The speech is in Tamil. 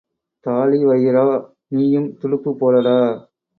தாழிவயிறா, நீயும் துடுப்புப் போடடா!